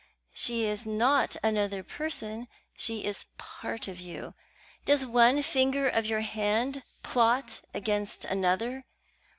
She is not another person; she is part of you. Does one finger of your hand plot against another?